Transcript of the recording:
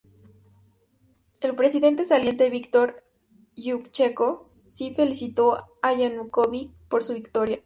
El Presidente saliente, Víktor Yúshchenko, sí felicitó a Yanukóvich por su victoria.